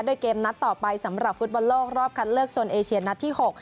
โดยเกมนัดต่อไปสำหรับฟุตบอลโลกรอบคัดเลือกโซนเอเชียนัดที่๖